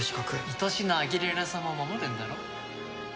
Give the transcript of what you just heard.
いとしのアギレラ様を守るんだろ？